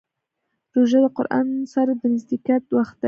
روژه د قرآن سره د نزدېکت وخت دی.